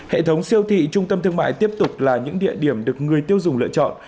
hệ thống siêu thị trung tâm thương mại tiếp tục là những địa điểm được người tiêu dùng lựa chọn